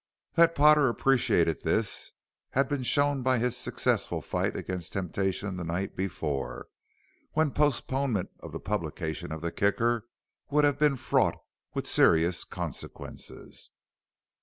That Potter appreciated this had been shown by his successful fight against temptation the night before, when postponement of the publication of the Kicker would have been fraught with serious consequences.